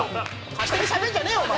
勝手にしゃべんじゃねえお前。